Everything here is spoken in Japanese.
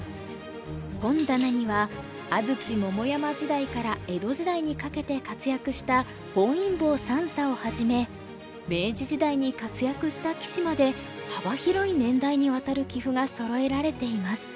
本棚には安土桃山時代から江戸時代にかけて活躍した本因坊算砂をはじめ明治時代に活躍した棋士まで幅広い年代にわたる棋譜がそろえられています。